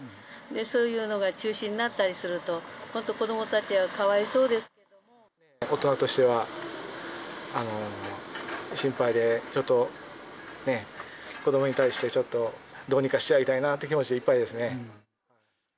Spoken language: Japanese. そういうのが中止になったりすると、本当子どもたちはかわいそう大人としては、心配で、ちょっと子どもに対してちょっと、どうにかしてやりたいなって気持ちでいっぱいですね。